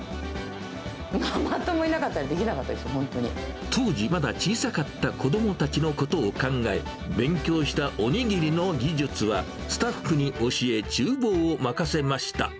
ママ友いなかったらできなか当時、まだ小さかった子どもたちのことを考え、勉強したおにぎりの技術は、スタッフに教え、ちゅう房を任せました。